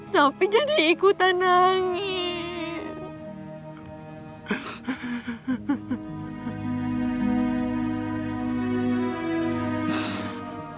sopi jangan ikutan nangis